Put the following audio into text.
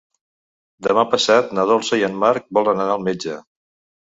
Demà passat na Dolça i en Marc volen anar al metge.